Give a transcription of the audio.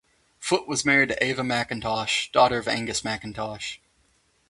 Foot was married to Eva Mackintosh, daughter of Angus Mackintosh.